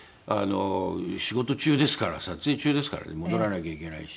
仕事中ですから撮影中ですからね戻らなきゃいけないし。